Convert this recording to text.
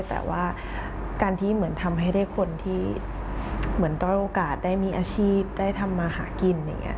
แต่ว่าการที่เหมือนทำให้ได้คนที่เหมือนต้อยโอกาสได้มีอาชีพได้ทำมาหากินอย่างนี้